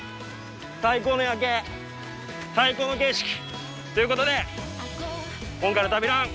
最高の夜景最高の景色ということで今回の「旅ラン」